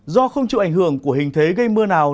do không chịu ảnh hưởng của hình thế gây mưa nào